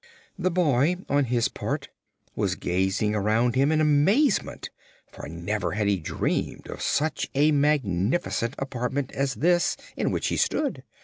The boy, on his part, was gazing around him in amazement, for never had he dreamed of such a magnificent apartment as this in which he stood.